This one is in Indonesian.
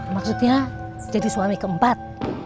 maksudnya jadi suami keempat